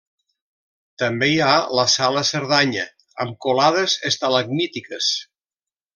També hi ha la sala Cerdanya, amb colades estalagmítiques.